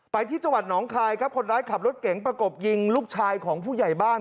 ไปที่จังหวัดหนองคายครับคนร้ายขับรถเก๋งประกบยิงลูกชายของผู้ใหญ่บ้าน